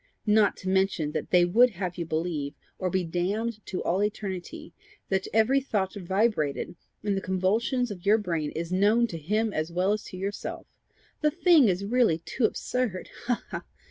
not to mention that they would have you believe, or be damned to all eternity, that every thought vibrated in the convolutions of your brain is known to him as well as to yourself! The thing is really too absurd! Ha! ha! ha!